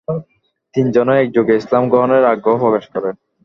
তিনজনই একযোগে ইসলাম গ্রহণের আগ্রহ প্রকাশ করেন।